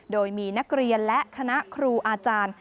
โดยมีนักเรียนและคณะครูอาจารย์